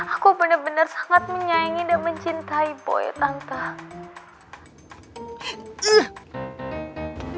aku bener bener sangat menyayangi dan mencintai boy tante